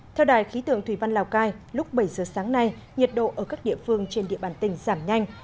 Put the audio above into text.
theo đài khí tượng thủy văn lào cai lúc bảy giờ sáng nay nhiệt độ ở các địa phương trên địa bàn tỉnh giảm nhanh